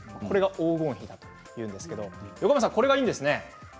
これが黄金比だというんですけれども、横山さんこれがいいんですね。